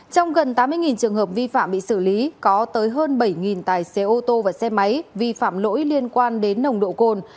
trong gần tám mươi trường hợp vi phạm bị xử lý có tới hơn bảy tài xế ô tô và xe máy vi phạm lỗi liên quan đến nồng độ cồn